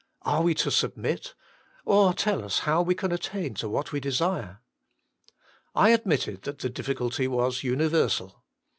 Are we to submit ? Or tell us how we can attain to what we desire ?" I admitted that the difficulty was universal.